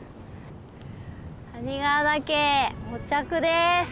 谷川岳到着です。